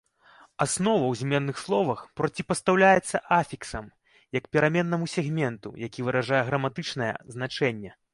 Аснова ў зменных словах проціпастаўляецца афіксам, як пераменнаму сегменту, які выражае граматычнае значэнне.